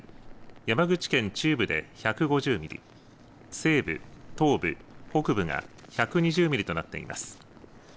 山口県中部で１５０ミリ西部、東部、北部が１２０ミリとなっています。